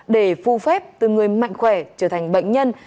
để phù phép từ người mạnh khỏe trở thành bệnh nhân